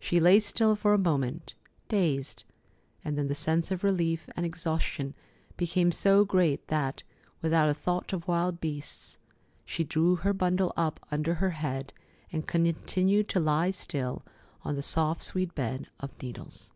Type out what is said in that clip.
She lay still for a moment, dazed, and then the sense of relief and exhaustion became so great that, without a thought of wild beasts, she drew her bundle up under her head and continued to lie still on the soft, sweet bed of needles.